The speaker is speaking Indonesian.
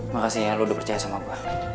makasih ya lo udah percaya sama gue